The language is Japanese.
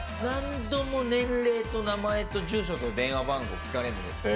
何度も年齢と名前と住所と電話番号、聞かれるのよ。